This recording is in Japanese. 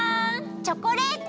チョコレート！